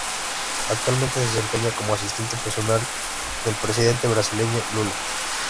Actualmente se desempeña como asistente personal del presidente brasileño Lula.